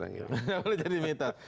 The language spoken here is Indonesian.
tidak boleh jadi mitos